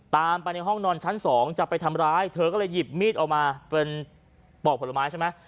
ตามไปในห้องนอนชั้นสองจะไปทำร้ายเธอก็เลยหยิบมีดออกมาเป็นปอกผลไม้ใช่ไหม